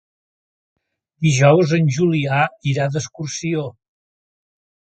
Dijous en Julià irà d'excursió.